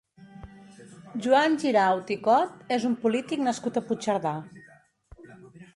Joan Giraut i Cot és un polític nascut a Puigcerdà.